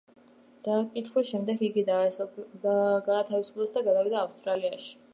დაკითხვის შემდეგ იგი გაათავისუფლეს და გადავიდა ავსტრიაში.